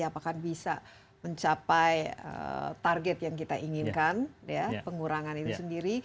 apakah bisa mencapai target yang kita inginkan ya pengurangan itu sendiri